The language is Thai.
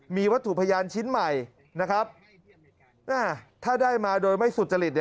มีวัตถุพยานชิ้นใหม่นะครับถ้าได้มาโดยไม่สุจริต